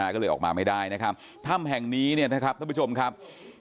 ก็เลยออกมาไม่ได้นะครับถ้ำแห่งนี้เนี่ยนะครับท่านผู้ชมครับ